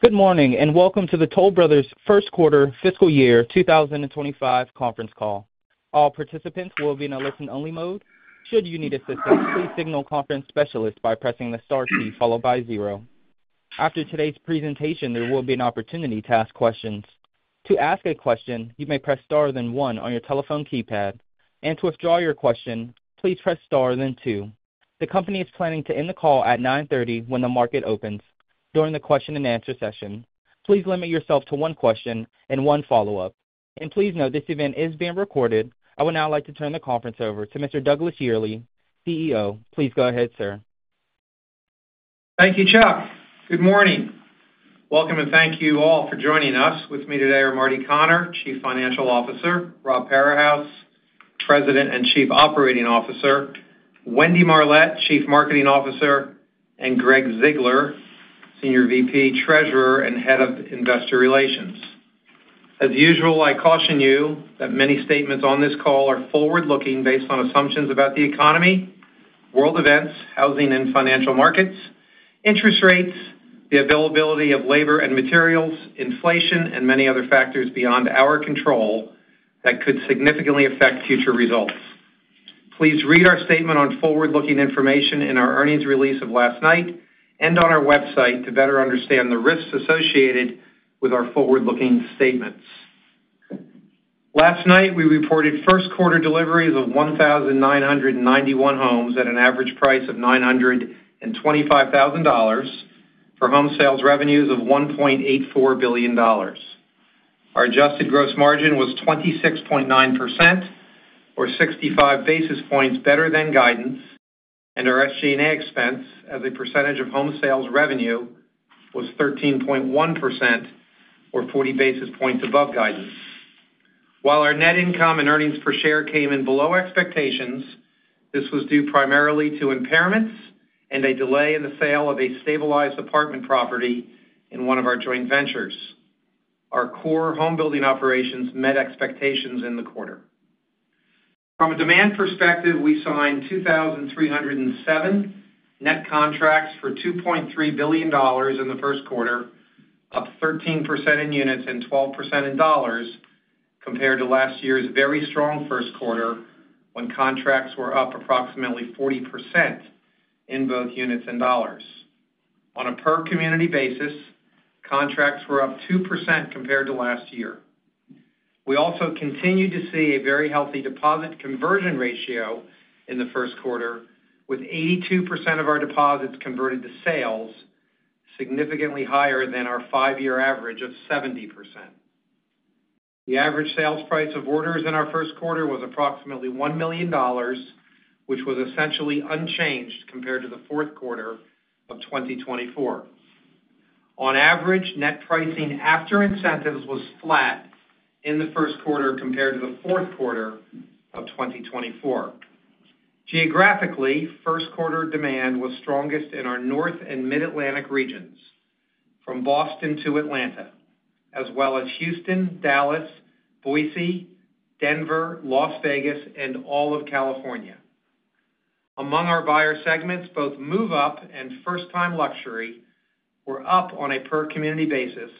Good morning and welcome to the Toll Brothers First Quarter Fiscal Year 2025 conference call. All participants will be in a listen-only mode. Should you need assistance, please signal conference specialist by pressing the star key followed by zero. After today's presentation, there will be an opportunity to ask questions. To ask a question, you may press star then one on your telephone keypad. And to withdraw your question, please press star then two. The company is planning to end the call at 9:30 A.M. when the market opens during the question-and-answer session. Please limit yourself to one question and one follow-up. And please note this event is being recorded. I would now like to turn the conference over to Mr. Douglas Yearley, CEO. Please go ahead, sir. Thank you, Chuck. Good morning. Welcome and thank you all for joining us. With me today are Martin Connor, Chief Financial Officer, Rob Parahus, President and Chief Operating Officer, Wendy Marlett, Chief Marketing Officer, and Gregg Ziegler, Senior VP, Treasurer, and Head of Investor Relations. As usual, I caution you that many statements on this call are forward-looking based on assumptions about the economy, world events, housing and financial markets, interest rates, the availability of labor and materials, inflation, and many other factors beyond our control that could significantly affect future results. Please read our statement on forward-looking information in our earnings release of last night and on our website to better understand the risks associated with our forward-looking statements. Last night, we reported first-quarter deliveries of 1,991 homes at an average price of $925,000 for home sales revenues of $1.84 billion. Our adjusted gross margin was 26.9%, or 65 basis points better than guidance, and our SG&A expense as a percentage of home sales revenue was 13.1%, or 40 basis points above guidance. While our net income and earnings per share came in below expectations, this was due primarily to impairments and a delay in the sale of a stabilized apartment property in one of our joint ventures. Our core home building operations met expectations in the quarter. From a demand perspective, we signed 2,307 net contracts for $2.3 billion in the first quarter, up 13% in units and 12% in dollars compared to last year's very strong first quarter when contracts were up approximately 40% in both units and dollars. On a per-community basis, contracts were up 2% compared to last year. We also continue to see a very healthy deposit conversion ratio in the first quarter, with 82% of our deposits converted to sales, significantly higher than our five-year average of 70%. The average sales price of orders in our first quarter was approximately $1 million, which was essentially unchanged compared to the fourth quarter of 2024. On average, net pricing after incentives was flat in the first quarter compared to the fourth quarter of 2024. Geographically, first-quarter demand was strongest in our North and Mid-Atlantic regions, from Boston to Atlanta, as well as Houston, Dallas, Boise, Denver, Las Vegas, and all of California. Among our buyer segments, both move-up and first-time luxury were up on a per-community basis,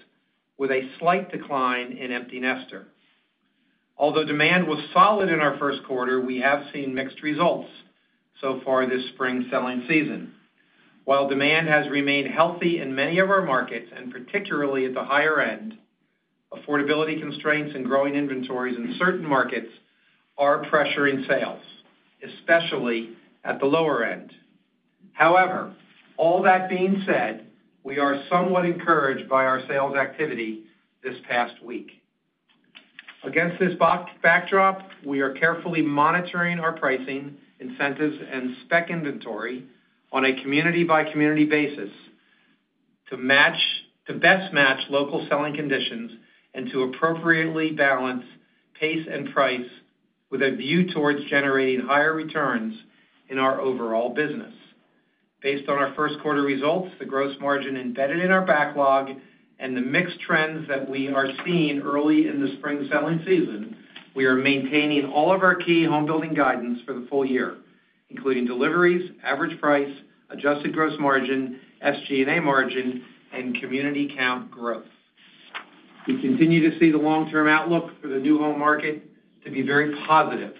with a slight decline in empty nester. Although demand was solid in our first quarter, we have seen mixed results so far this spring selling season. While demand has remained healthy in many of our markets, and particularly at the higher end, affordability constraints and growing inventories in certain markets are pressuring sales, especially at the lower end. However, all that being said, we are somewhat encouraged by our sales activity this past week. Against this backdrop, we are carefully monitoring our pricing, incentives, and spec inventory on a community-by-community basis to best match local selling conditions and to appropriately balance pace and price with a view towards generating higher returns in our overall business. Based on our first-quarter results, the gross margin embedded in our backlog, and the mixed trends that we are seeing early in the spring selling season, we are maintaining all of our key home building guidance for the full year, including deliveries, average price, adjusted gross margin, SG&A margin, and community count growth. We continue to see the long-term outlook for the new home market to be very positive,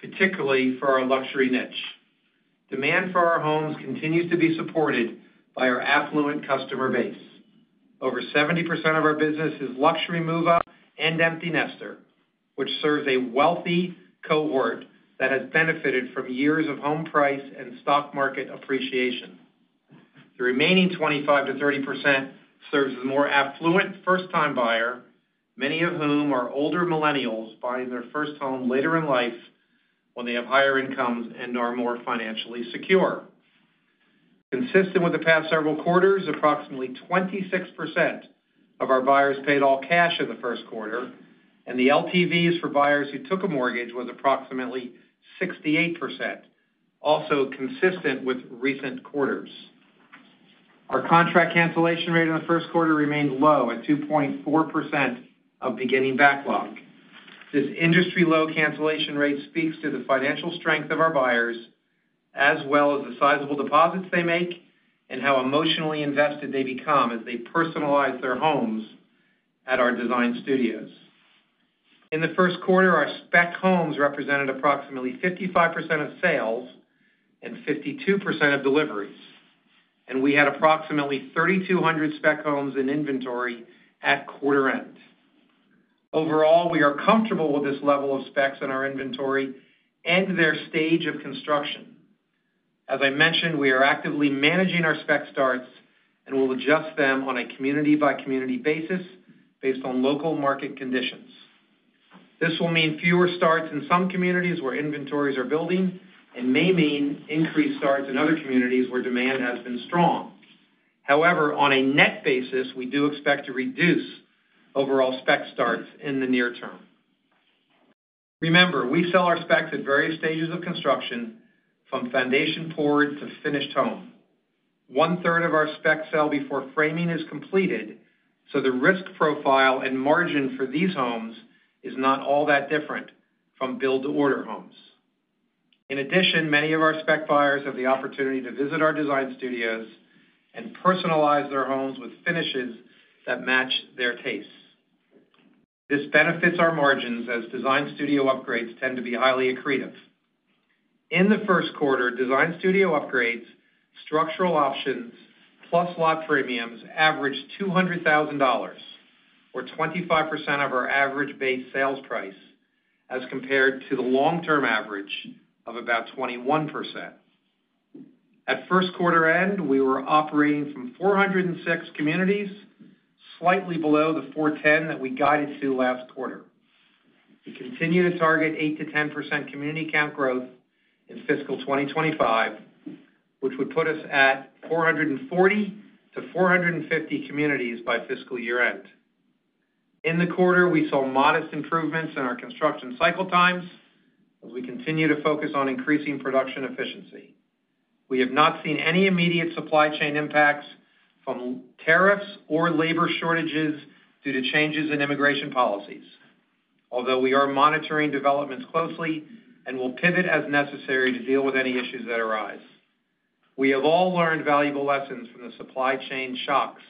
particularly for our luxury niche. Demand for our homes continues to be supported by our affluent customer base. Over 70% of our business is luxury move-up and empty nester, which serves a wealthy cohort that has benefited from years of home price and stock market appreciation. The remaining 25%-30% serves the more affluent first-time buyer, many of whom are older millennials buying their first home later in life when they have higher incomes and are more financially secure. Consistent with the past several quarters, approximately 26% of our buyers paid all cash in the first quarter, and the LTVs for buyers who took a mortgage was approximately 68%, also consistent with recent quarters. Our contract cancellation rate in the first quarter remained low at 2.4% of beginning backlog. This industry low cancellation rate speaks to the financial strength of our buyers, as well as the sizable deposits they make and how emotionally invested they become as they personalize their homes at our design studios. In the first quarter, our spec homes represented approximately 55% of sales and 52% of deliveries, and we had approximately 3,200 spec homes in inventory at quarter end. Overall, we are comfortable with this level of specs in our inventory and their stage of construction. As I mentioned, we are actively managing our spec starts and will adjust them on a community-by-community basis based on local market conditions. This will mean fewer starts in some communities where inventories are building and may mean increased starts in other communities where demand has been strong. However, on a net basis, we do expect to reduce overall spec starts in the near term. Remember, we sell our specs at various stages of construction, from foundation poured to finished home. One-third of our specs sell before framing is completed, so the risk profile and margin for these homes is not all that different from build-to-order homes. In addition, many of our spec buyers have the opportunity to visit our design studios and personalize their homes with finishes that match their tastes. This benefits our margins as design studio upgrades tend to be highly accretive. In the first quarter, design studio upgrades, structural options, plus lot premiums averaged $200,000, or 25% of our average base sales price as compared to the long-term average of about 21%. At first quarter end, we were operating from 406 communities, slightly below the 410 that we guided to last quarter. We continue to target 8%-10% community count growth in fiscal 2025, which would put us at 440-450 communities by fiscal year end. In the quarter, we saw modest improvements in our construction cycle times as we continue to focus on increasing production efficiency. We have not seen any immediate supply chain impacts from tariffs or labor shortages due to changes in immigration policies, although we are monitoring developments closely and will pivot as necessary to deal with any issues that arise. We have all learned valuable lessons from the supply chain shocks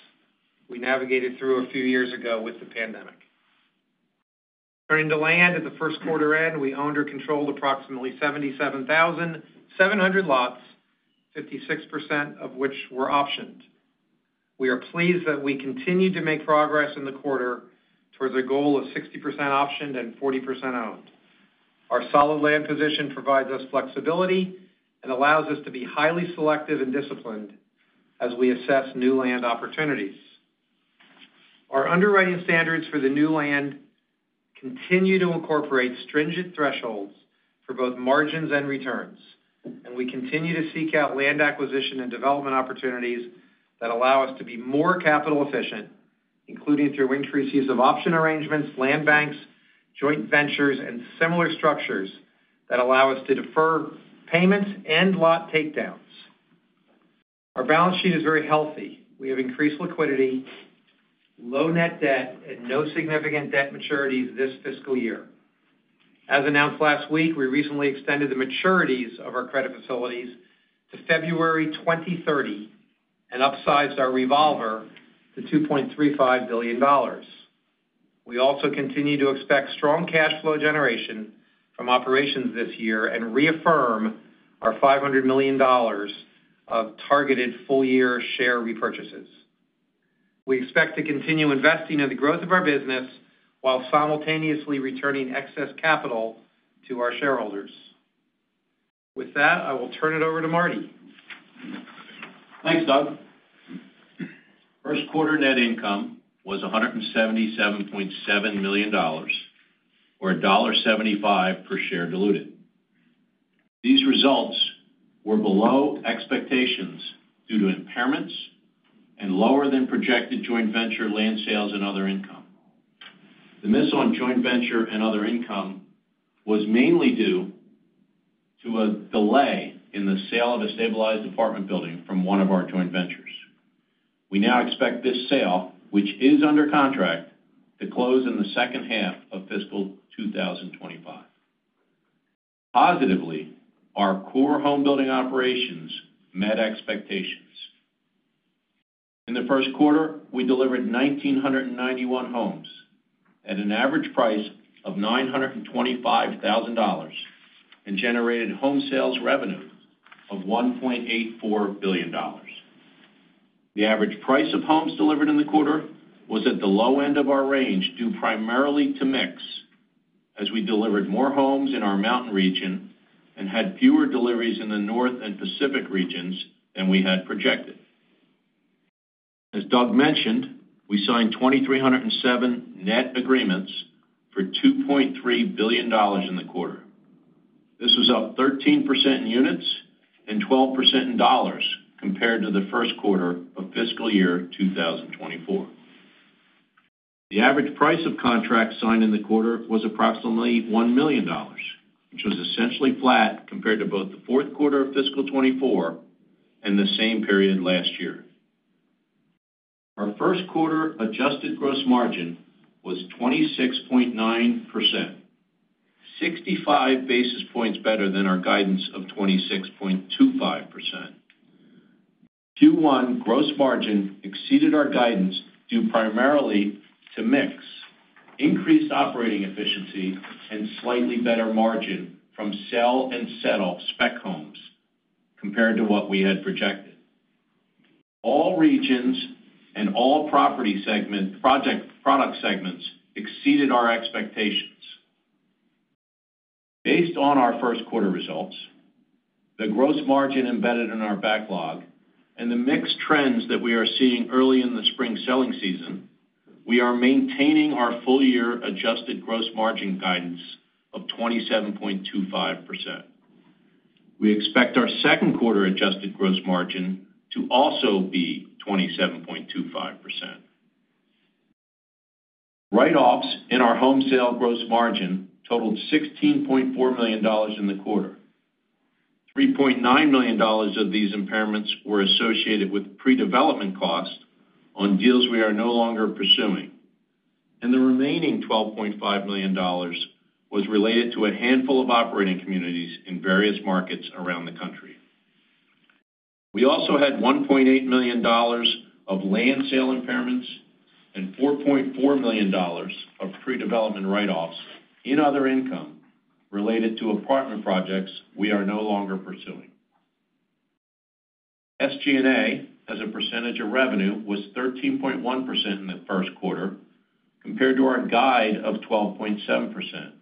we navigated through a few years ago with the pandemic. Turning to land at the first quarter end, we owned or controlled approximately 77,700 lots, 56% of which were optioned. We are pleased that we continue to make progress in the quarter towards our goal of 60% optioned and 40% owned. Our solid land position provides us flexibility and allows us to be highly selective and disciplined as we assess new land opportunities. Our underwriting standards for the new land continue to incorporate stringent thresholds for both margins and returns, and we continue to seek out land acquisition and development opportunities that allow us to be more capital efficient, including through increased use of option arrangements, land banks, joint ventures, and similar structures that allow us to defer payments and lot takedowns. Our balance sheet is very healthy. We have increased liquidity, low net debt, and no significant debt maturities this fiscal year. As announced last week, we recently extended the maturities of our credit facilities to February 2030 and upsized our revolver to $2.35 billion. We also continue to expect strong cash flow generation from operations this year and reaffirm our $500 million of targeted full-year share repurchases. We expect to continue investing in the growth of our business while simultaneously returning excess capital to our shareholders. With that, I will turn it over to Martin. Thanks, Doug. First quarter net income was $177.7 million, or $1.75 per share diluted. These results were below expectations due to impairments and lower than projected joint venture land sales and other income. The miss on joint venture and other income was mainly due to a delay in the sale of a stabilized apartment building from one of our joint ventures. We now expect this sale, which is under contract, to close in the second half of fiscal 2025. Positively, our core home building operations met expectations. In the first quarter, we delivered 1,991 homes at an average price of $925,000 and generated home sales revenue of $1.84 billion. The average price of homes delivered in the quarter was at the low end of our range due primarily to mix as we delivered more homes in our mountain region and had fewer deliveries in the North and Pacific regions than we had projected. As Doug mentioned, we signed 2,307 net agreements for $2.3 billion in the quarter. This was up 13% in units and 12% in dollars compared to the first quarter of fiscal year 2024. The average price of contracts signed in the quarter was approximately $1 million, which was essentially flat compared to both the fourth quarter of fiscal 2024 and the same period last year. Our first quarter adjusted gross margin was 26.9%, 65 basis points better than our guidance of 26.25%. Q1 gross margin exceeded our guidance due primarily to mix, increased operating efficiency, and slightly better margin from sell and settle spec homes compared to what we had projected. All regions and all property segments, product segments exceeded our expectations. Based on our first quarter results, the gross margin embedded in our backlog, and the mix trends that we are seeing early in the spring selling season, we are maintaining our full-year adjusted gross margin guidance of 27.25%. We expect our second quarter adjusted gross margin to also be 27.25%. Write-offs in our home sale gross margin totaled $16.4 million in the quarter. $3.9 million of these impairments were associated with pre-development costs on deals we are no longer pursuing, and the remaining $12.5 million was related to a handful of operating communities in various markets around the country. We also had $1.8 million of land sale impairments and $4.4 million of pre-development write-offs in other income related to apartment projects we are no longer pursuing. SG&A as a percentage of revenue was 13.1% in the first quarter compared to our guide of 12.7%.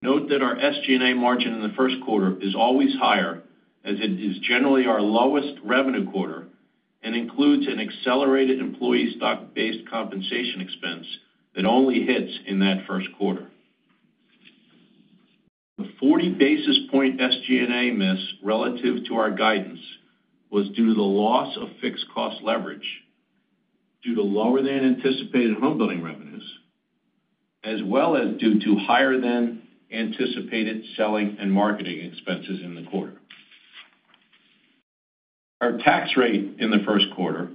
Note that our SG&A margin in the first quarter is always higher as it is generally our lowest revenue quarter and includes an accelerated employee stock-based compensation expense that only hits in that first quarter. The 40 basis point SG&A miss relative to our guidance was due to the loss of fixed cost leverage due to lower than anticipated home building revenues, as well as due to higher than anticipated selling and marketing expenses in the quarter. Our tax rate in the first quarter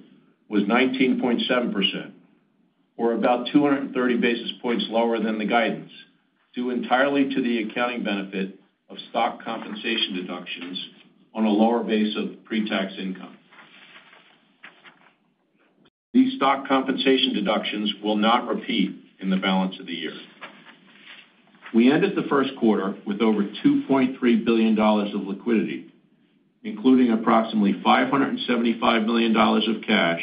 was 19.7%, or about 230 basis points lower than the guidance, due entirely to the accounting benefit of stock compensation deductions on a lower base of pre-tax income. These stock compensation deductions will not repeat in the balance of the year. We ended the first quarter with over $2.3 billion of liquidity, including approximately $575 million of cash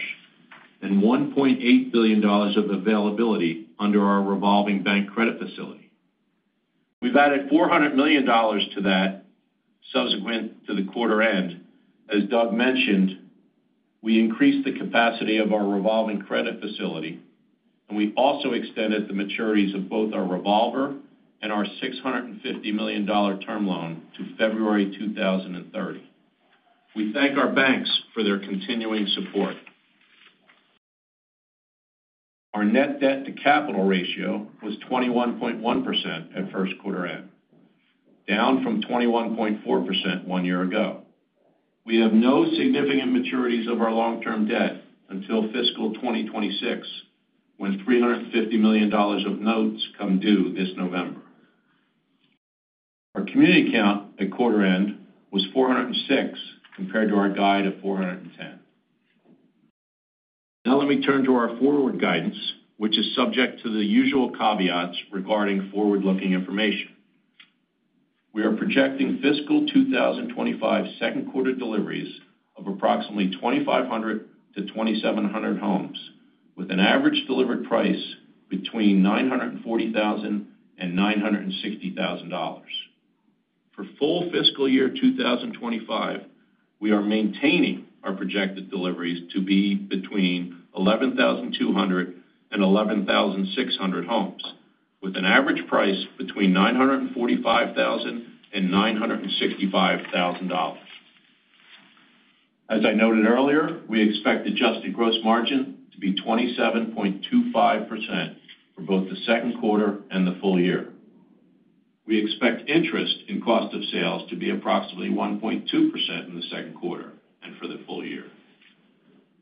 and $1.8 billion of availability under our revolving bank credit facility. We've added $400 million to that subsequent to the quarter end. As Doug mentioned, we increased the capacity of our revolving credit facility, and we also extended the maturities of both our revolver and our $650 million term loan to February 2030. We thank our banks for their continuing support. Our net debt to capital ratio was 21.1% at first quarter end, down from 21.4% one year ago. We have no significant maturities of our long-term debt until fiscal 2026 when $350 million of notes come due this November. Our community count at quarter end was 406 compared to our guide of 410. Now let me turn to our forward guidance, which is subject to the usual caveats regarding forward-looking information. We are projecting fiscal 2025 second quarter deliveries of approximately 2,500-2,700 homes with an average delivered price between $940,000 and $960,000. For full fiscal year 2025, we are maintaining our projected deliveries to be between 11,200 and 11,600 homes with an average price between $945,000 and $965,000. As I noted earlier, we expect adjusted gross margin to be 27.25% for both the second quarter and the full year. We expect interest in cost of sales to be approximately 1.2% in the second quarter and for the full year.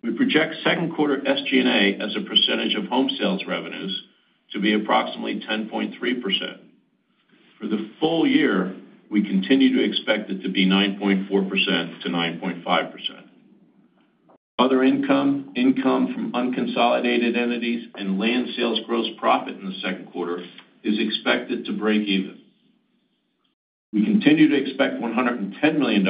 We project second quarter SG&A as a percentage of home sales revenues to be approximately 10.3%. For the full year, we continue to expect it to be 9.4%-9.5%. Other income, income from unconsolidated entities, and land sales gross profit in the second quarter is expected to break even. We continue to expect $110 million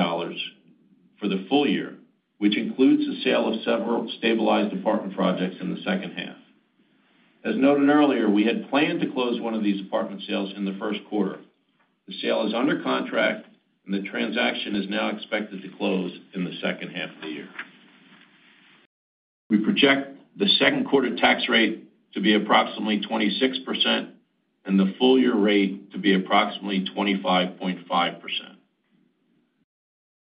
for the full year, which includes the sale of several stabilized apartment projects in the second half. As noted earlier, we had planned to close one of these apartment sales in the first quarter. The sale is under contract, and the transaction is now expected to close in the second half of the year. We project the second quarter tax rate to be approximately 26% and the full-year rate to be approximately 25.5%.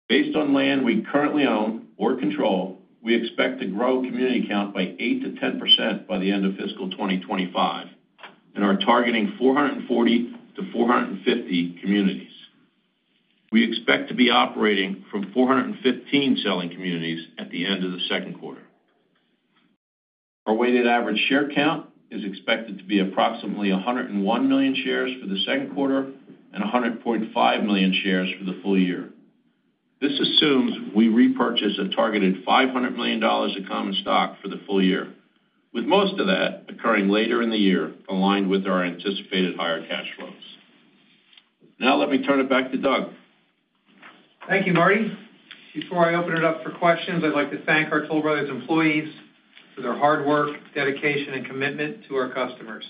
Based on land we currently own or control, we expect to grow community count by 8%-10% by the end of fiscal 2025, and are targeting 440-450 communities. We expect to be operating from 415 selling communities at the end of the second quarter. Our weighted average share count is expected to be approximately 101 million shares for the second quarter and 100.5 million shares for the full year. This assumes we repurchase a targeted $500 million of common stock for the full year, with most of that occurring later in the year aligned with our anticipated higher cash flows. Now let me turn it back to Doug. Thank you, Martin. Before I open it up for questions, I'd like to thank our Toll Brothers employees for their hard work dedication, and commitment to our customers.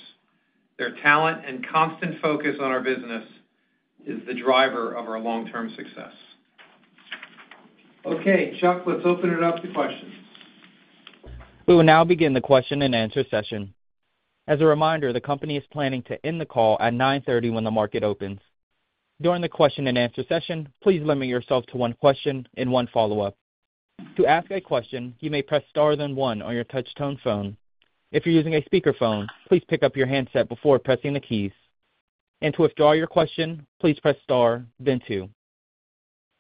Their talent and constant focus on our business is the driver of our long-term success. Okay, Chuck, let's open it up to questions. We will now begin the question and answer session. As a reminder, the company is planning to end the call at 9:30 A.M. when the market opens. During the question and answer session, please limit yourself to one question and one follow-up. To ask a question, you may press star then one on your touch-tone phone. If you're using a speakerphone, please pick up your handset before pressing the keys. And to withdraw your question, please press star, then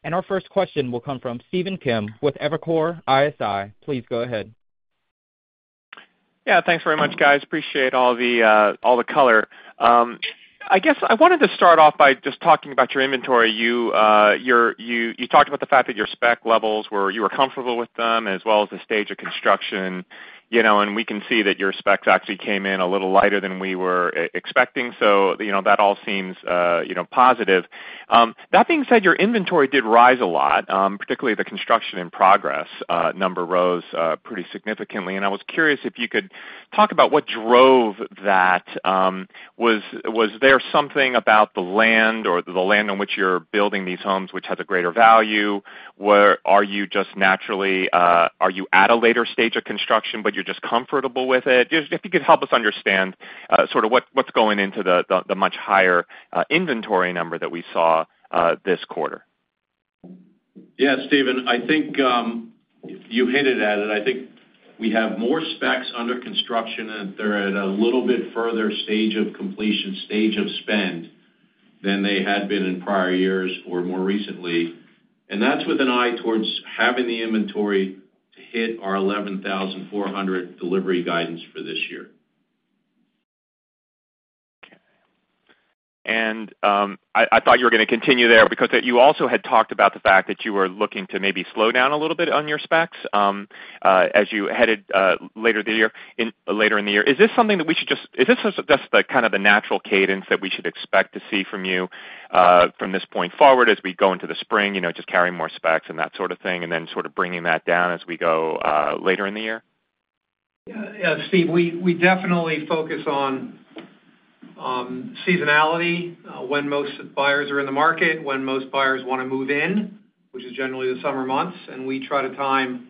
two. An d our first question will come from Stephen Kim with Evercore ISI. Please go ahead. Yeah, thanks very much, guys. Appreciate all the color. I guess I wanted to start off by just talking about your inventory. You talked about the fact that your spec levels, you were comfortable with them as well as the stage of construction. And we can see that your specs actually came in a little lighter than we were expecting. So that all seems positive. That being said, your inventory did rise a lot, particularly the construction in progress number rose pretty significantly. And I was curious if you could talk about what drove that. Was there something about the land on which you're building these homes, which has a greater value? Are you just naturally at a later stage of construction, but you're just comfortable with it? If you could help us understand sort of what's going into the much higher inventory number that we saw this quarter? Yeah, Stephen, I think you hinted at it. I think we have more specs under construction, and they're at a little bit further stage of completion, stage of spend than they had been in prior years or more recently. And that's with an eye towards having the inventory to hit our 11,400 delivery guidance for this year. Okay. And I thought you were going to continue there because you also had talked about the fact that you were looking to maybe slow down a little bit on your specs as you headed later in the year. Is this something that we should just kind of the natural cadence that we should expect to see from you from this point forward as we go into the spring, just carrying more specs and that sort of thing, and then sort of bringing that down as we go later in the year? Yeah, Steve, we definitely focus on seasonality, when most buyers are in the market, when most buyers want to move in, which is generally the summer months. And we try to time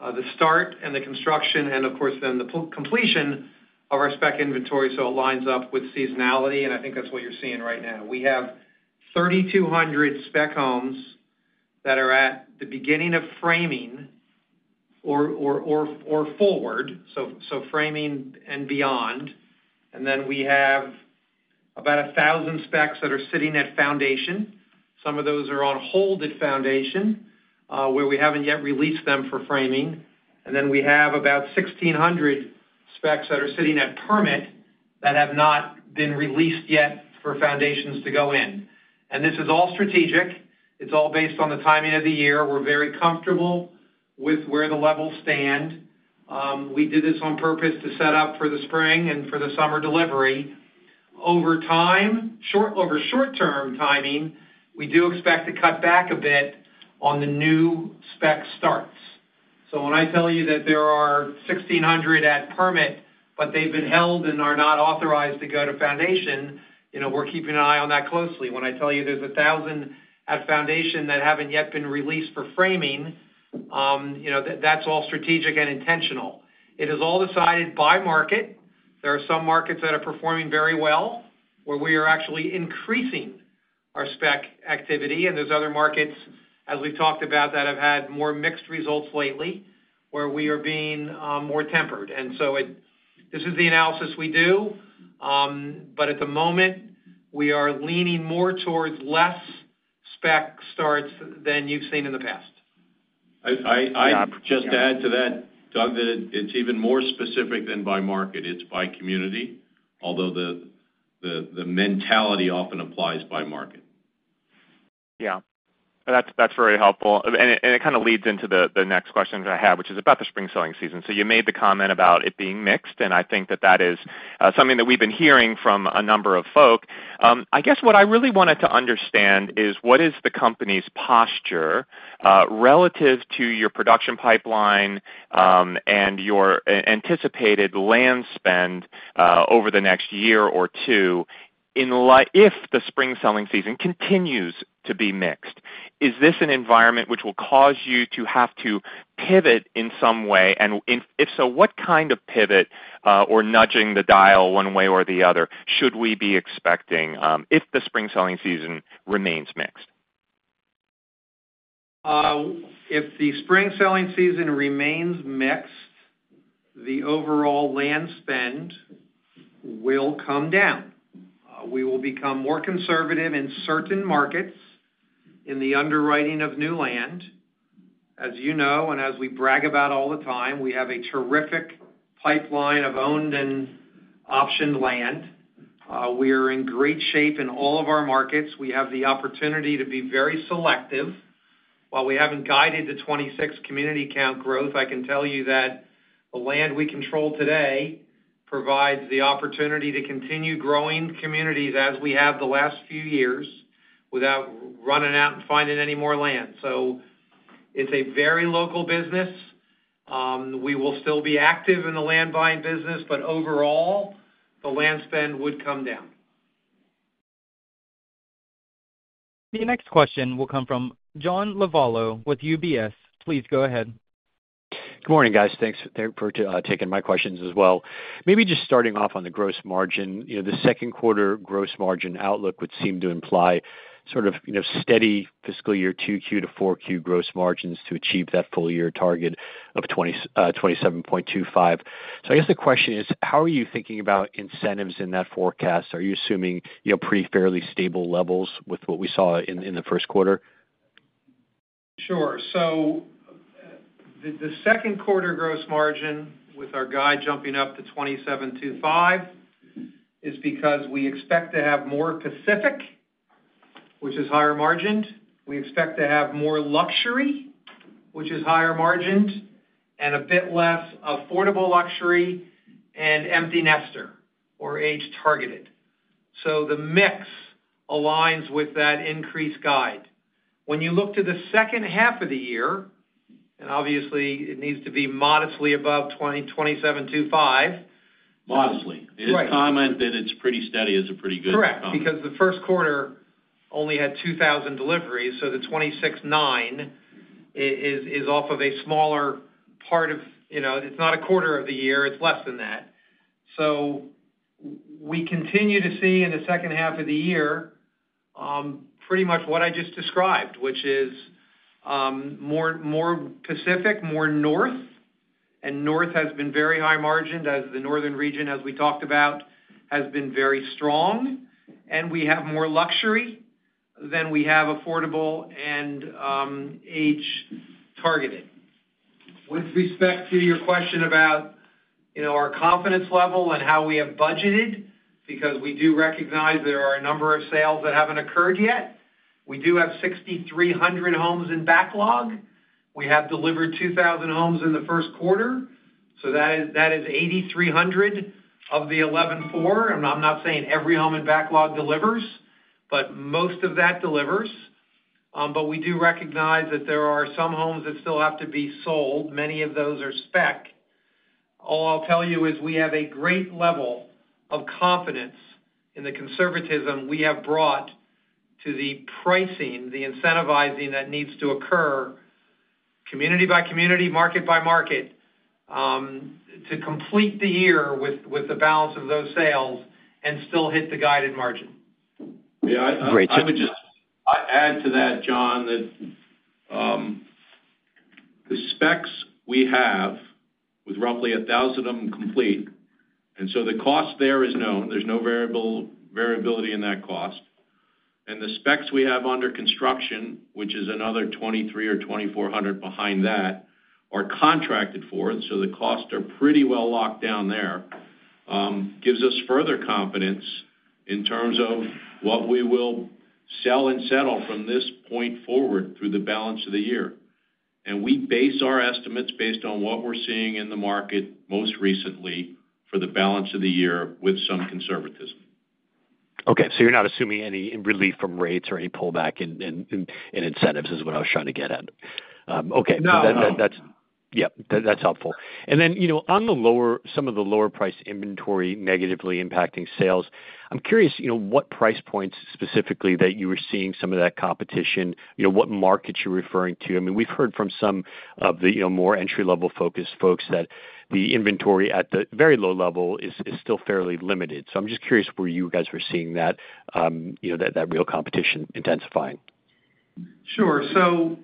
the start and the construction and, of course, then the completion of our spec inventory so it lines up with seasonality. And I think that's what you're seeing right now. We have 3,200 spec homes that are at the beginning of framing or forward, so framing and beyond. And then we have about 1,000 specs that are sitting at foundation. Some of those are on hold at foundation where we haven't yet released them for framing. And then we have about 1,600 specs that are sitting at permit that have not been released yet for foundations to go in. And this is all strategic. It's all based on the timing of the year. We're very comfortable with where the levels stand. We did this on purpose to set up for the spring and for the summer delivery. Over short-term timing, we do expect to cut back a bit on the new spec starts. So when I tell you that there are 1,600 at permit, but they've been held and are not authorized to go to foundation, we're keeping an eye on that closely. When I tell you there's 1,000 at foundation that haven't yet been released for framing, that's all strategic and intentional. It is all decided by market. There are some markets that are performing very well where we are actually increasing our spec activity, and there's other markets, as we've talked about, that have had more mixed results lately where we are being more tempered, and so this is the analysis we do. But at the moment, we are leaning more towards less spec starts than you've seen in the past. Just to add to that, Doug, that it's even more specific than by market. It's by community, although the mentality often applies by market. Yeah. That's very helpful. And it kind of leads into the next question that I have, which is about the spring selling season. So you made the comment about it being mixed, and I think that that is something that we've been hearing from a number of folks. I guess what I really wanted to understand is what is the company's posture relative to your production pipeline and your anticipated land spend over the next year or two if the spring selling season continues to be mixed? Is this an environment which will cause you to have to pivot in some way? And if so, what kind of pivot or nudging the dial one way or the other should we be expecting if the spring selling season remains mixed? If the spring selling season remains mixed, the overall land spend will come down. We will become more conservative in certain markets in the underwriting of new land. As you know, and as we brag about all the time, we have a terrific pipeline of owned and optioned land. We are in great shape in all of our markets. We have the opportunity to be very selective. While we haven't guided the 26 community count growth, I can tell you that the land we control today provides the opportunity to continue growing communities as we have the last few years without running out and finding any more land. So it's a very local business. We will still be active in the land buying business, but overall, the land spend would come down. The next question will come from John Lovallo with UBS. Please go ahead. Good morning, guys. Thanks for taking my questions as well. Maybe just starting off on the gross margin, the second quarter gross margin outlook would seem to imply sort of steady fiscal year 2Q to 4Q gross margins to achieve that full-year target of 27.25%. So I guess the question is, how are you thinking about incentives in that forecast? Are you assuming pretty fairly stable levels with what we saw in the first quarter? Sure. So the second quarter gross margin with our guide jumping up to 27.25% is because we expect to have more Pacific, which is higher margined. We expect to have more luxury, which is higher margined, and a bit less affordable luxury and empty nester or age targeted. So the mix aligns with that increase guide. When you look to the second half of the year, and obviously, it needs to be modestly above 27.25%. Modestly. This comment that it's pretty steady is a pretty good comment. Correct. Because the first quarter only had 2,000 deliveries. So the 26.9 is off of a smaller part of it. It's not a quarter of the year. It's less than that. So we continue to see in the second half of the year pretty much what I just described, which is more Pacific, more North. And North has been very high margined, as the Northern region, as we talked about, has been very strong. And we have more luxury than we have affordable and age targeted. With respect to your question about our confidence level and how we have budgeted, because we do recognize there are a number of sales that haven't occurred yet, we do have 6,300 homes in backlog. We have delivered 2,000 homes in the first quarter. So that is 8,300 of the 11.4. I'm not saying every home in backlog delivers, but most of that delivers. But we do recognize that there are some homes that still have to be sold. Many of those are spec. All I'll tell you is we have a great level of confidence in the conservatism we have brought to the pricing, the incentivizing that needs to occur, community by community, market by market, to complete the year with the balance of those sales and still hit the guided margin. Yeah. I would just add to that, John, that the specs we have, with roughly 1,000 of them complete, and so the cost there is known. There's no variability in that cost, and the specs we have under construction, which is another 2,300 or 2,400 behind that, are contracted for, and so the costs are pretty well locked down there. It gives us further confidence in terms of what we will sell and settle from this point forward through the balance of the year, and we base our estimates based on what we're seeing in the market most recently for the balance of the year with some conservatism. Okay. So you're not assuming any relief from rates or any pullback in incentives is what I was trying to get at. Okay. Yeah. That's helpful. And then on some of the lower-priced inventory negatively impacting sales, I'm curious what price points specifically that you were seeing some of that competition, what markets you're referring to. I mean, we've heard from some of the more entry-level focused folks that the inventory at the very low level is still fairly limited. So I'm just curious where you guys were seeing that real competition intensifying. Sure. So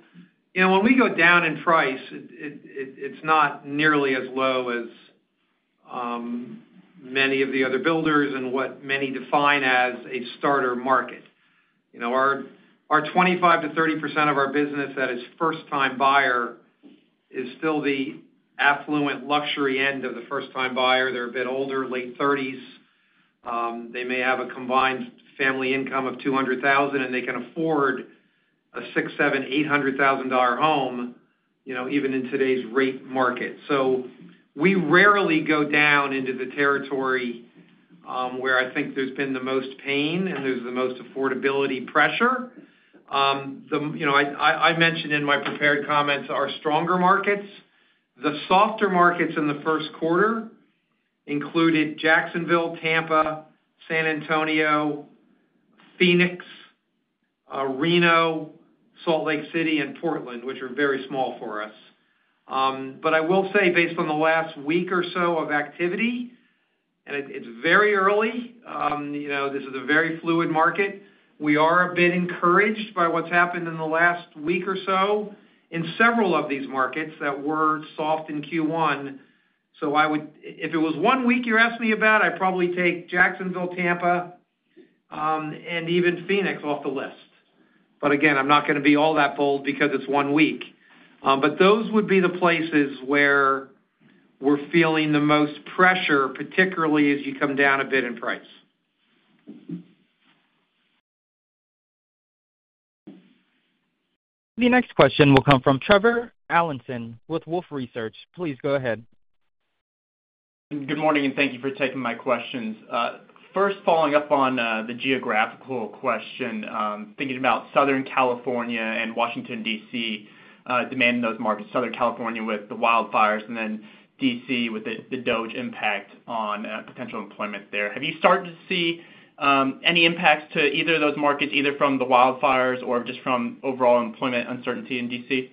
when we go down in price, it's not nearly as low as many of the other builders and what many define as a starter market. Our 25%-30% of our business that is first-time buyer is still the affluent luxury end of the first-time buyer. They're a bit older, late 30s. They may have a combined family income of $200,000, and they can afford a $600,000, $700,000, $800,000 home even in today's rate market. So we rarely go down into the territory where I think there's been the most pain and there's the most affordability pressure. I mentioned in my prepared comments our stronger markets. The softer markets in the first quarter included Jacksonville, Tampa, San Antonio, Phoenix, Reno, Salt Lake City, and Portland, which are very small for us. But I will say, based on the last week or so of activity, and it's very early, this is a very fluid market. We are a bit encouraged by what's happened in the last week or so in several of these markets that were soft in Q1. So if it was one week you're asking me about, I'd probably take Jacksonville, Tampa, and even Phoenix off the list. But again, I'm not going to be all that bold because it's one week. But those would be the places where we're feeling the most pressure, particularly as you come down a bit in price. The next question will come from Trevor Allinson with Wolfe Research. Please go ahead. Good morning, and thank you for taking my questions. First, following up on the geographical question, thinking about Southern California and Washington, D.C., demand in those markets, Southern California with the wildfires, and then D.C. with the DOGE impact on potential employment there. Have you started to see any impacts to either of those markets, either from the wildfires or just from overall employment uncertainty in D.C.?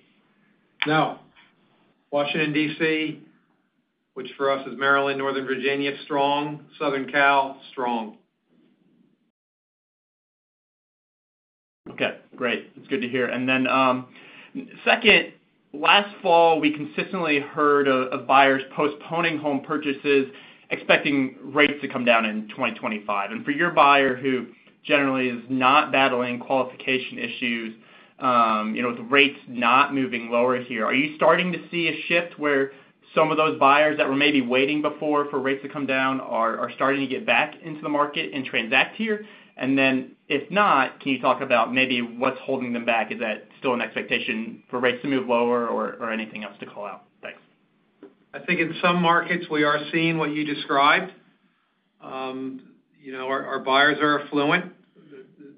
No. Washington, D.C., which for us is Maryland, Northern Virginia, strong. Southern Cal, strong. Okay. Great. That's good to hear. And then second, last fall, we consistently heard of buyers postponing home purchases, expecting rates to come down in 2025. And for your buyer who generally is not battling qualification issues with rates not moving lower here, are you starting to see a shift where some of those buyers that were maybe waiting before for rates to come down are starting to get back into the market and transact here? And then if not, can you talk about maybe what's holding them back? Is that still an expectation for rates to move lower or anything else to call out? Thanks. I think in some markets, we are seeing what you described. Our buyers are affluent.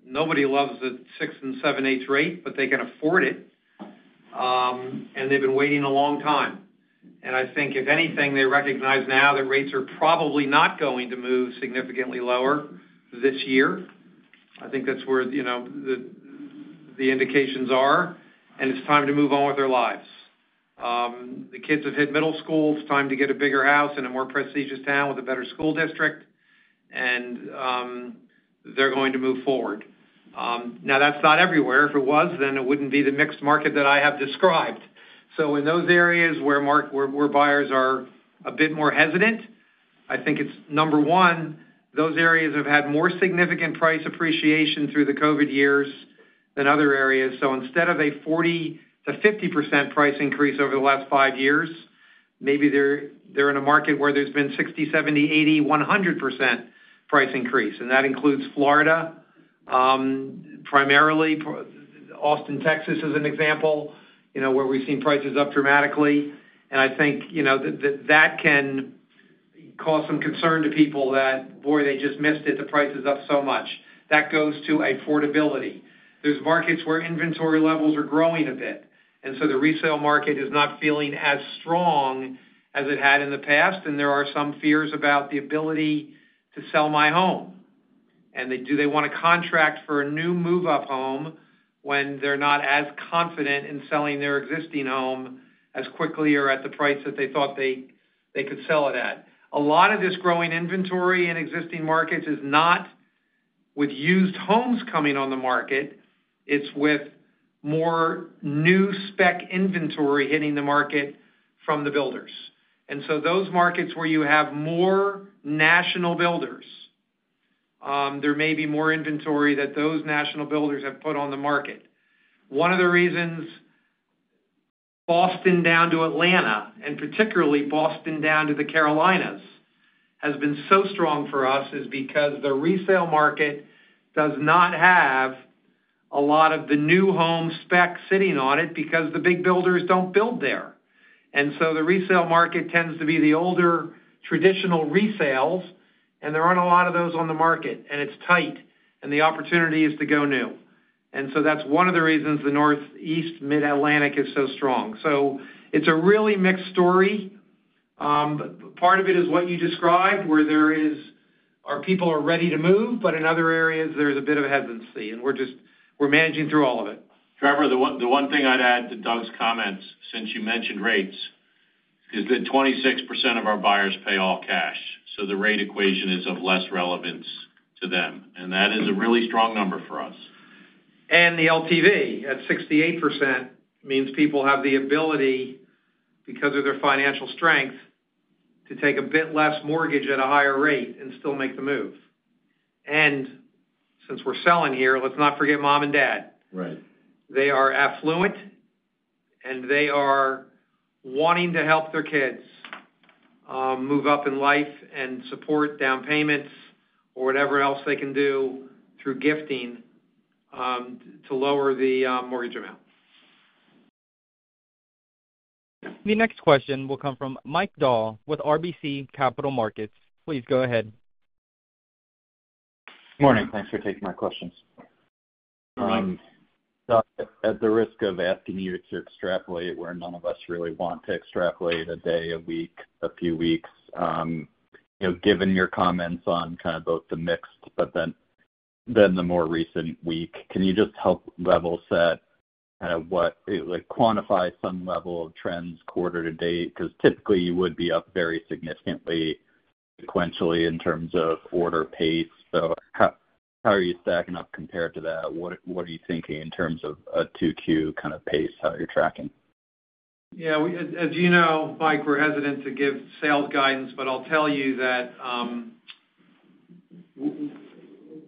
Nobody loves the 6 and 7/8 rate, but they can afford it. And they've been waiting a long time. And I think if anything, they recognize now that rates are probably not going to move significantly lower this year. I think that's where the indications are. And it's time to move on with their lives. The kids have hit middle school. It's time to get a bigger house in a more prestigious town with a better school district. And they're going to move forward. Now, that's not everywhere. If it was, then it wouldn't be the mixed market that I have described. So in those areas where buyers are a bit more hesitant, I think it's number one, those areas have had more significant price appreciation through the COVID years than other areas. Instead of a 40%-50% price increase over the last five years, maybe they're in a market where there's been 60%, 70%, 80%, 100% price increase. That includes Florida, primarily. Austin, Texas is an example where we've seen prices up dramatically. I think that can cause some concern to people that, boy, they just missed it. The price is up so much. That goes to affordability. There's markets where inventory levels are growing a bit, so the resale market is not feeling as strong as it had in the past. There are some fears about the ability to sell my home. Do they want to contract for a new move-up home when they're not as confident in selling their existing home as quickly or at the price that they thought they could sell it at? A lot of this growing inventory in existing markets is not with used homes coming on the market. It's with more new spec inventory hitting the market from the builders. And so those markets where you have more national builders, there may be more inventory that those national builders have put on the market. One of the reasons Boston down to Atlanta, and particularly Boston down to the Carolinas, has been so strong for us is because the resale market does not have a lot of the new home spec sitting on it because the big builders don't build there. And so the resale market tends to be the older traditional resales, and there aren't a lot of those on the market. And it's tight. And the opportunity is to go new. And so that's one of the reasons the Northeast Mid-Atlantic is so strong. So it's a really mixed story. Part of it is what you described, where there are people ready to move, but in other areas, there's a bit of hesitancy. And we're managing through all of it. Trevor, the one thing I'd add to Doug's comments since you mentioned rates is that 26% of our buyers pay all cash. So the rate equation is of less relevance to them, and that is a really strong number for us. And the LTV at 68% means people have the ability, because of their financial strength, to take a bit less mortgage at a higher rate and still make the move. And since we're selling here, let's not forget mom and dad. They are affluent, and they are wanting to help their kids move up in life and support down payments or whatever else they can do through gifting to lower the mortgage amount. The next question will come from Mike Dahl with RBC Capital Markets. Please go ahead. Morning. Thanks for taking my questions. At the risk of asking you to extrapolate where none of us really want to extrapolate a day, a week, a few weeks, given your comments on kind of both the mixed, but then the more recent week, can you just help level set kind of quantify some level of trends quarter to date? Because typically, you would be up very significantly sequentially in terms of order pace. So how are you stacking up compared to that? What are you thinking in terms of a 2Q kind of pace, how you're tracking? Yeah. As you know, Mike, we're hesitant to give sales guidance, but I'll tell you that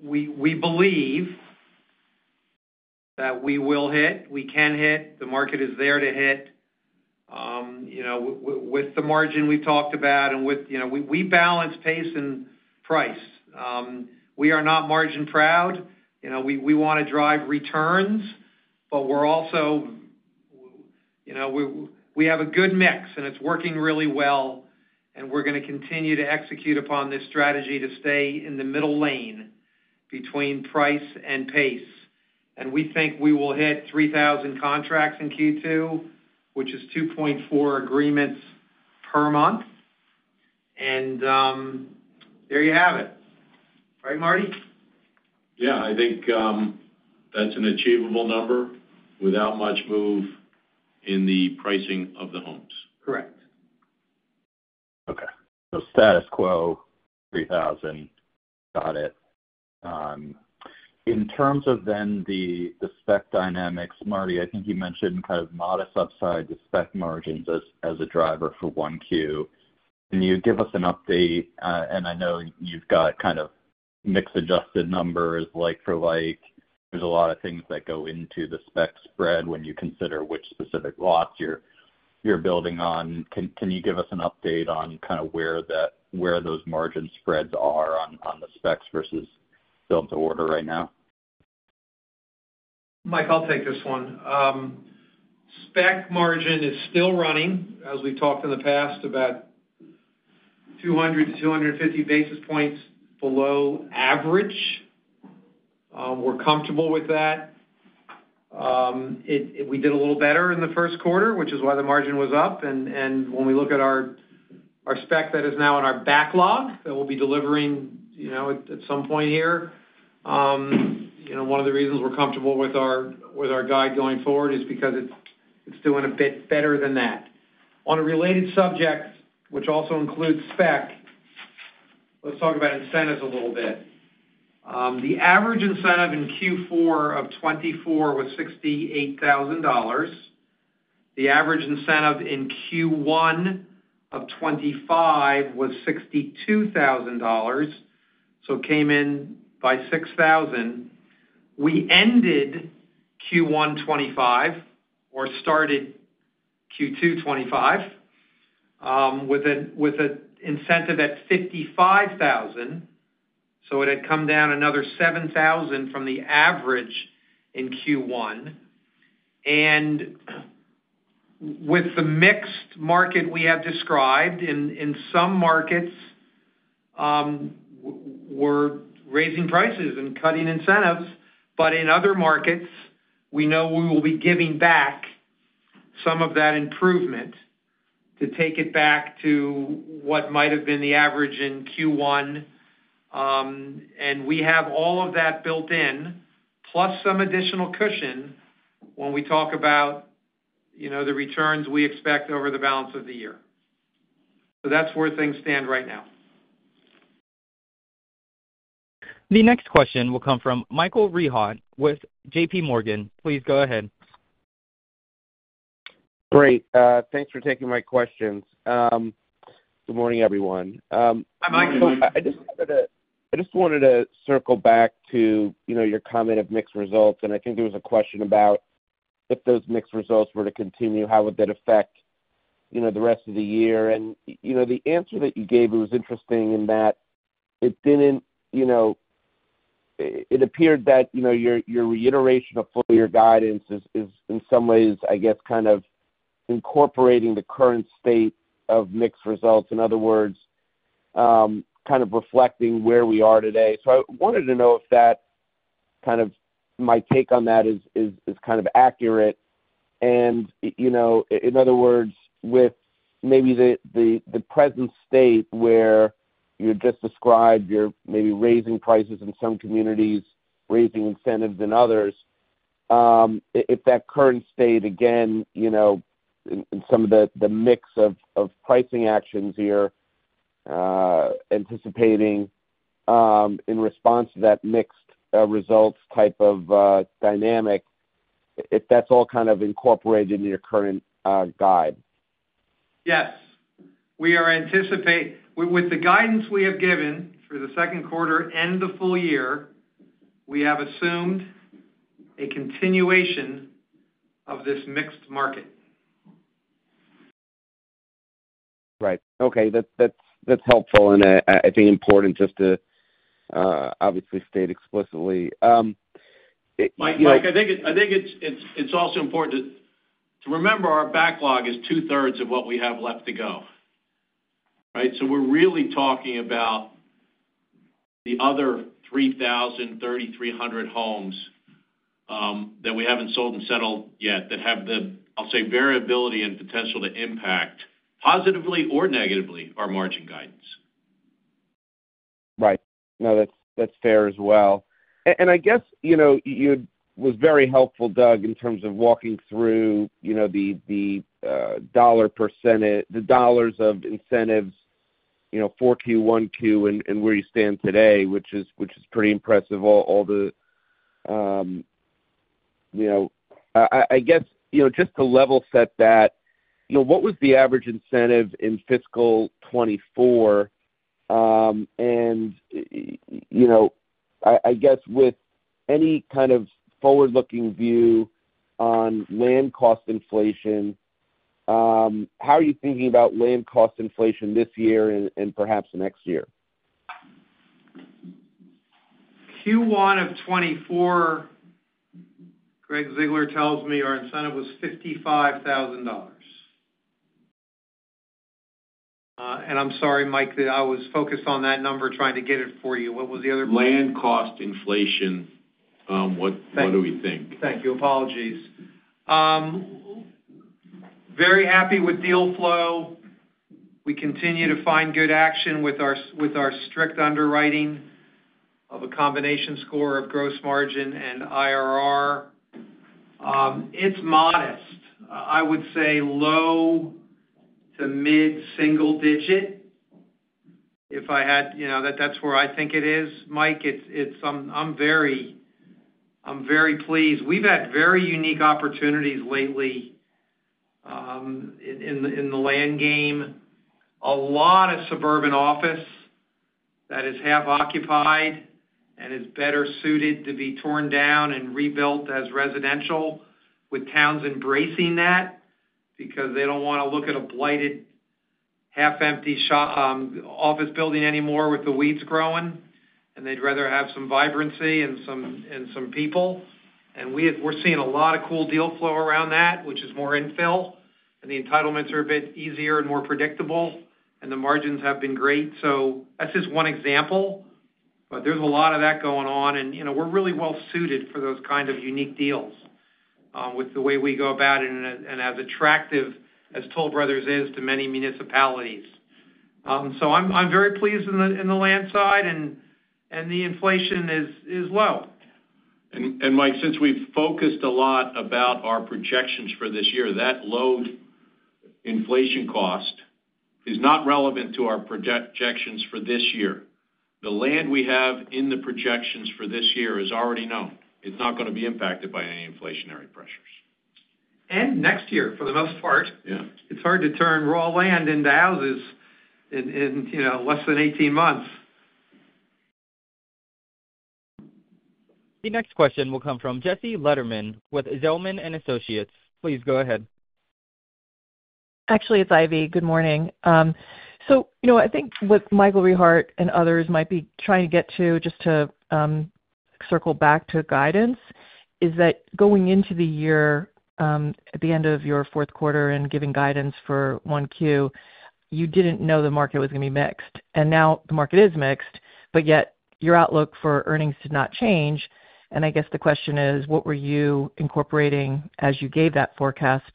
we believe that we will hit. We can hit. The market is there to hit. With the margin we've talked about and with we balance pace and price. We are not margin proud. We want to drive returns, but we're also we have a good mix, and it's working really well. And we're going to continue to execute upon this strategy to stay in the middle lane between price and pace. And we think we will hit 3,000 contracts in Q2, which is 2.4 agreements per month. And there you have it. All right, Martin? Yeah. I think that's an achievable number without much move in the pricing of the homes. Correct. Okay. So status quo, 3,000. Got it. In terms of then the spec dynamics, Martin, I think you mentioned kind of modest upside to spec margins as a driver for Q1. Can you give us an update? And I know you've got kind of mixed adjusted numbers like for like. There's a lot of things that go into the spec spread when you consider which specific lots you're building on. Can you give us an update on kind of where those margin spreads are on the specs versus build-to-order right now? Mike, I'll take this one. Spec margin is still running, as we've talked in the past, about 200-250 basis points below average. We're comfortable with that. We did a little better in the first quarter, which is why the margin was up. And when we look at our spec that is now in our backlog that we'll be delivering at some point here, one of the reasons we're comfortable with our guide going forward is because it's doing a bit better than that. On a related subject, which also includes spec, let's talk about incentives a little bit. The average incentive in Q4 of 2024 was $68,000. The average incentive in Q1 of 2025 was $62,000. So it came in by $6,000. We ended Q1 2025 or started Q2 2025 with an incentive at $55,000. So it had come down another $7,000 from the average in Q1. And with the mixed market we have described, in some markets, we're raising prices and cutting incentives. But in other markets, we know we will be giving back some of that improvement to take it back to what might have been the average in Q1. And we have all of that built in, plus some additional cushion when we talk about the returns we expect over the balance of the year. So that's where things stand right now. The next question will come from Michael Rehaut with JPMorgan. Please go ahead. Great. Thanks for taking my questions. Good morning, everyone. Hi, Mike. I just wanted to circle back to your comment of mixed results. And I think there was a question about if those mixed results were to continue, how would that affect the rest of the year? And the answer that you gave, it was interesting in that it didn't. It appeared that your reiteration of full year guidance is, in some ways, I guess, kind of incorporating the current state of mixed results. In other words, kind of reflecting where we are today. So I wanted to know if that kind of my take on that is kind of accurate. In other words, with maybe the present state where you just described you're maybe raising prices in some communities, raising incentives in others, if that current state, again, in some of the mix of pricing actions you're anticipating in response to that mixed results type of dynamic, if that's all kind of incorporated in your current guide? Yes. We are anticipating with the guidance we have given for the second quarter and the full year, we have assumed a continuation of this mixed market. Right. Okay. That's helpful. And I think important just to obviously state explicitly. Mike, I think it's also important to remember our backlog is two-thirds of what we have left to go. Right? So we're really talking about the other 3,000, 3,300 homes that we haven't sold and settled yet that have, I'll say, variability and potential to impact positively or negatively our margin guidance. Right. No, that's fair as well. And I guess it was very helpful, Doug, in terms of walking through the dollar percentage, the dollars of incentives for Q1, Q2, and where you stand today, which is pretty impressive. All the, I guess, just to level set that, what was the average incentive in fiscal 2024? And I guess with any kind of forward-looking view on land cost inflation, how are you thinking about land cost inflation this year and perhaps next year? Q1 of 2024, Gregg Ziegler tells me our incentive was $55,000, and I'm sorry, Mike, that I was focused on that number trying to get it for you. What was the other? Land cost inflation, what do we think? Thank you. Apologies. Very happy with deal flow. We continue to find good action with our strict underwriting of a combination score of gross margin and IRR. It's modest. I would say low to mid single digit if I had that's where I think it is, Mike. I'm very pleased. We've had very unique opportunities lately in the land game. A lot of suburban office that is half occupied and is better suited to be torn down and rebuilt as residential with towns embracing that because they don't want to look at a blighted, half-empty office building anymore with the weeds growing. And they'd rather have some vibrancy and some people. And we're seeing a lot of cool deal flow around that, which is more infill. And the entitlements are a bit easier and more predictable. And the margins have been great. So that's just one example. But there's a lot of that going on. And we're really well suited for those kind of unique deals with the way we go about it and as attractive as Toll Brothers is to many municipalities. So I'm very pleased in the land side, and the inflation is low. Mike, since we've focused a lot about our projections for this year, that low inflation cost is not relevant to our projections for this year. The land we have in the projections for this year is already known. It's not going to be impacted by any inflationary pressures. Next year, for the most part, it's hard to turn raw land into houses in less than 18 months. The next question will come from Ivy Zelman with Zelman & Associates. Please go ahead. Actually, it's Ivy. Good morning. So I think what Michael Rehaut and others might be trying to get to, just to circle back to guidance, is that going into the year, at the end of your fourth quarter and giving guidance for Q1, you didn't know the market was going to be mixed. And now the market is mixed, but yet your outlook for earnings did not change. And I guess the question is, what were you incorporating as you gave that forecast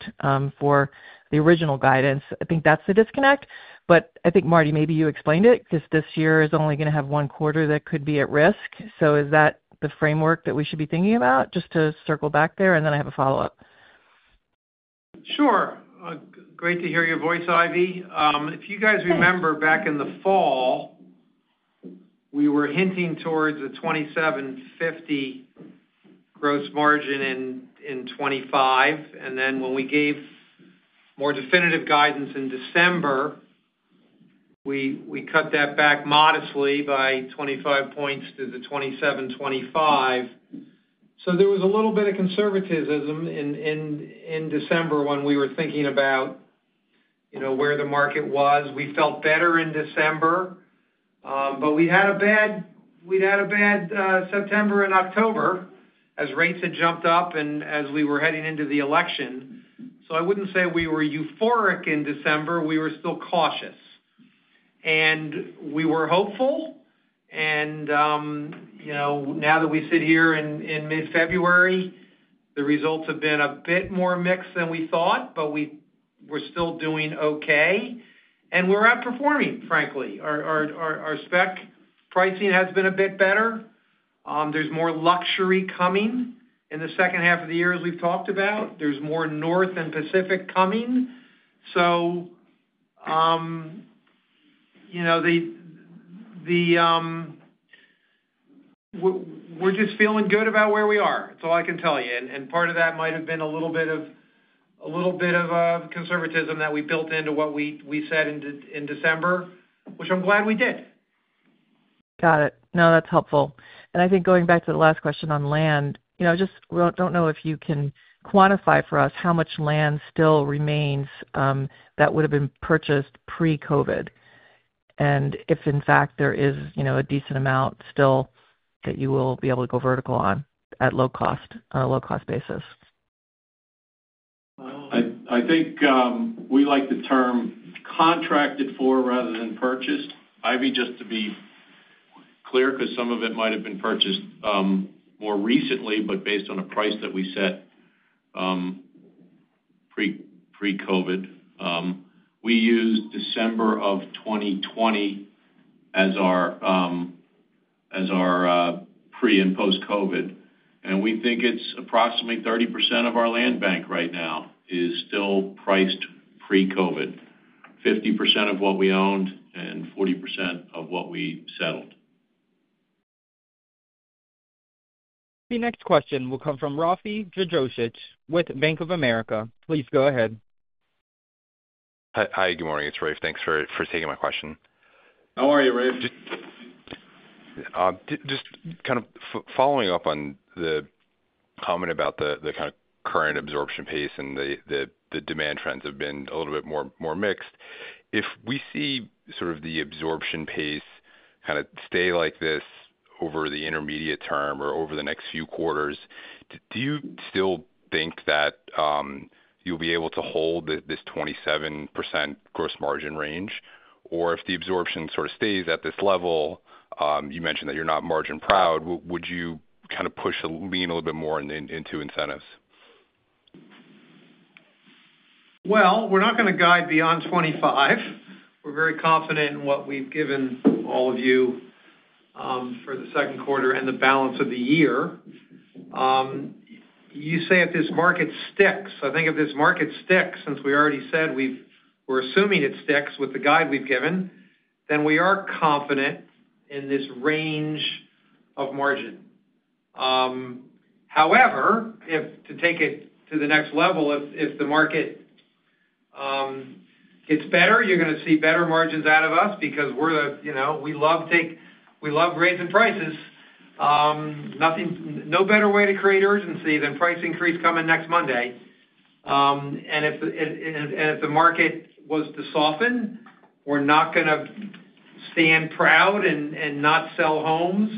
for the original guidance? I think that's the disconnect. But I think, Martin, maybe you explained it because this year is only going to have one quarter that could be at risk. So is that the framework that we should be thinking about? Just to circle back there, and then I have a follow-up. Sure. Great to hear your voice, Ivy. If you guys remember, back in the fall, we were hinting towards a 27.50 gross margin in 2025. Then when we gave more definitive guidance in December, we cut that back modestly by 25 points to the 27.25. There was a little bit of conservatism in December when we were thinking about where the market was. We felt better in December, but we'd had a bad September and October as rates had jumped up and as we were heading into the election. I wouldn't say we were euphoric in December. We were still cautious, and we were hopeful. Now that we sit here in mid-February, the results have been a bit more mixed than we thought, but we're still doing okay. We're outperforming, frankly. Our spec pricing has been a bit better. There's more luxury coming in the second half of the year, as we've talked about. There's more North and Pacific coming, so we're just feeling good about where we are. That's all I can tell you, and part of that might have been a little bit of conservatism that we built into what we said in December, which I'm glad we did. Got it. No, that's helpful. And I think going back to the last question on land, I just don't know if you can quantify for us how much land still remains that would have been purchased pre-COVID and if, in fact, there is a decent amount still that you will be able to go vertical on at low-cost basis. I think we like the term contracted for rather than purchased. Ivy, just to be clear, because some of it might have been purchased more recently, but based on a price that we set pre-COVID, we used December of 2020 as our pre and post-COVID, and we think it's approximately 30% of our land bank right now is still priced pre-COVID, 50% of what we owned and 40% of what we settled. The next question will come from Rafe Jadrosich with Bank of America. Please go ahead. Hi, good morning. It's Rafe. Thanks for taking my question. How are you, Rafe? Just kind of following up on the comment about the kind of current absorption pace and the demand trends have been a little bit more mixed. If we see sort of the absorption pace kind of stay like this over the intermediate term or over the next few quarters, do you still think that you'll be able to hold this 27% gross margin range? Or if the absorption sort of stays at this level, you mentioned that you're not margin proud, would you kind of lean a little bit more into incentives? We're not going to guide beyond 25. We're very confident in what we've given all of you for the second quarter and the balance of the year. You say if this market sticks, I think if this market sticks, since we already said we're assuming it sticks with the guide we've given, then we are confident in this range of margin. However, if, to take it to the next level, if the market gets better, you're going to see better margins out of us because we love rates and prices. No better way to create urgency than price increase coming next Monday. If the market was to soften, we're not going to stand proud and not sell homes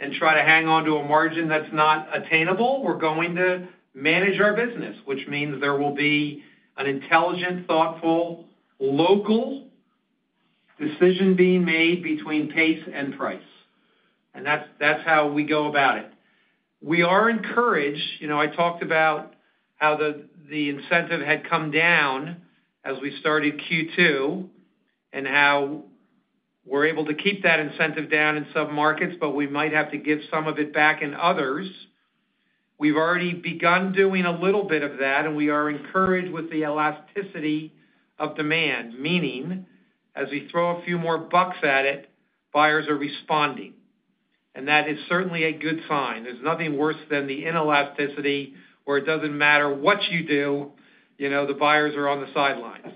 and try to hang on to a margin that's not attainable. We're going to manage our business, which means there will be an intelligent, thoughtful, local decision being made between pace and price. And that's how we go about it. We are encouraged. I talked about how the incentive had come down as we started Q2 and how we're able to keep that incentive down in some markets, but we might have to give some of it back in others. We've already begun doing a little bit of that, and we are encouraged with the elasticity of demand, meaning as we throw a few more bucks at it, buyers are responding. And that is certainly a good sign. There's nothing worse than the inelasticity where it doesn't matter what you do, the buyers are on the sidelines.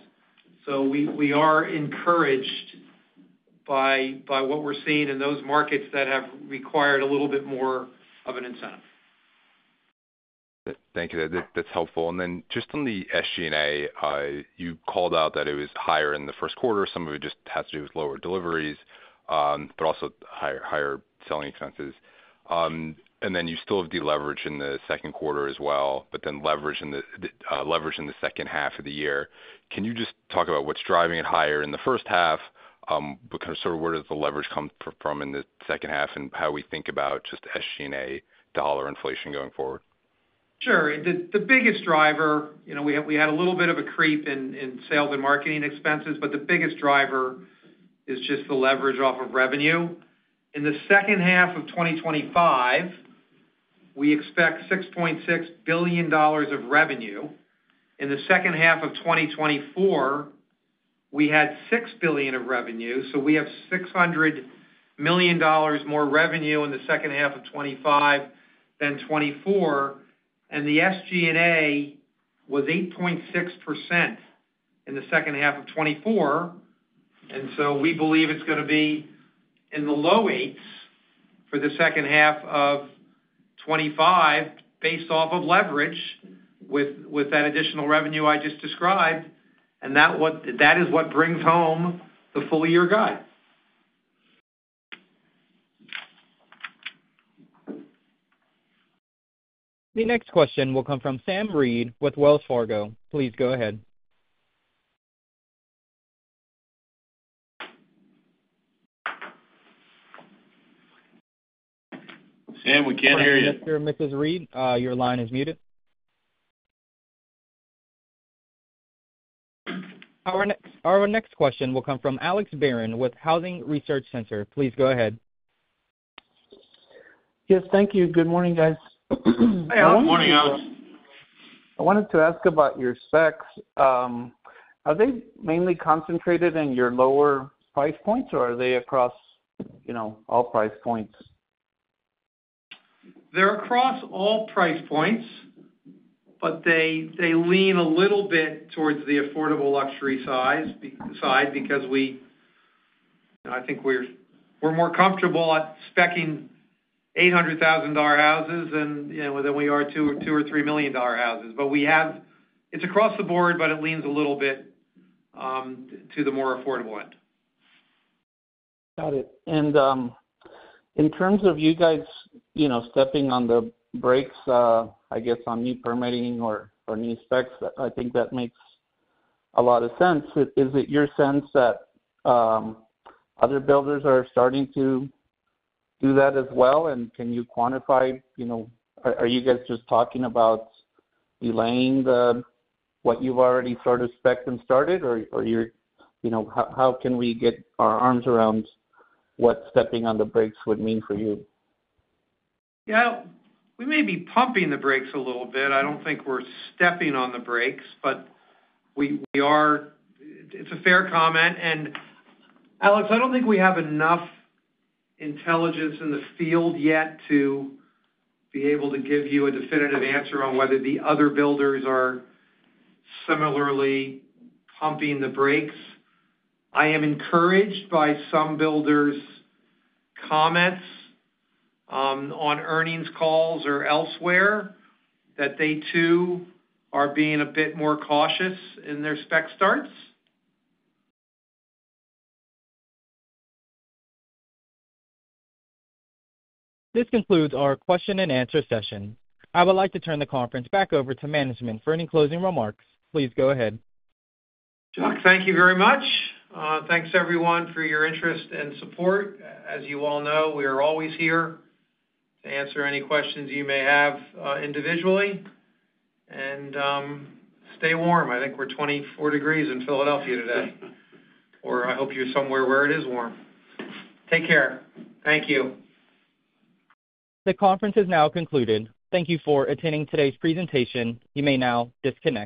So we are encouraged by what we're seeing in those markets that have required a little bit more of an incentive. Thank you. That's helpful. And then just on the SG&A, you called out that it was higher in the first quarter. Some of it just has to do with lower deliveries, but also higher selling expenses. And then you still have deleveraged in the second quarter as well, but then leveraged in the second half of the year. Can you just talk about what's driving it higher in the first half? But kind of sort of where does the leverage come from in the second half and how we think about just SG&A dollar inflation going forward? Sure. The biggest driver, we had a little bit of a creep in sales and marketing expenses, but the biggest driver is just the leverage off of revenue. In the second half of 2025, we expect $6.6 billion of revenue. In the second half of 2024, we had $6 billion of revenue. So we have $600 million more revenue in the second half of 2025 than 2024. And the SG&A was 8.6% in the second half of 2024. And so we believe it's going to be in the low eights for the second half of 2025 based off of leverage with that additional revenue I just described. And that is what brings home the full-year guide. The next question will come from Sam Reid with Wells Fargo. Please go ahead. Sam, we can't hear you. Mr. or Mrs. Reid, your line is muted. Our next question will come from Alex Barron with Housing Research Center. Please go ahead. Yes, thank you. Good morning, guys. Hi, Alex. Good morning, Alex. I wanted to ask about your specs. Are they mainly concentrated in your lower price points, or are they across all price points? They're across all price points, but they lean a little bit towards the affordable luxury side because I think we're more comfortable at speccing $800,000 houses than we are two or three million-dollar houses. But it's across the board, but it leans a little bit to the more affordable end. Got it. And in terms of you guys stepping on the brakes, I guess, on new permitting or new specs, I think that makes a lot of sense. Is it your sense that other builders are starting to do that as well? And can you quantify? Are you guys just talking about delaying what you've already sort of specced and started, or how can we get our arms around what stepping on the brakes would mean for you? Yeah. We may be pumping the brakes a little bit. I don't think we're stepping on the brakes, but it's a fair comment. And Alex, I don't think we have enough intelligence in the field yet to be able to give you a definitive answer on whether the other builders are similarly pumping the brakes. I am encouraged by some builders' comments on earnings calls or elsewhere that they too are being a bit more cautious in their spec starts. This concludes our question and answer session. I would like to turn the conference back over to management for any closing remarks. Please go ahead. Chuck, thank you very much. Thanks, everyone, for your interest and support. As you all know, we are always here to answer any questions you may have individually. And stay warm. I think we're 24 degrees in Philadelphia today. Or I hope you're somewhere where it is warm. Take care. Thank you. The conference is now concluded. Thank you for attending today's presentation. You may now disconnect.